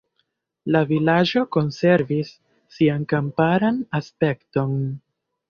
La vilaĝo konservis sian kamparan aspekton.